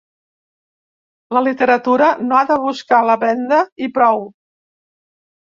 La literatura no ha de buscar la venda i prou.